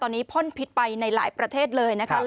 ตอนนี้พ่นพิษไปในหลายประเทศเลยนะคะ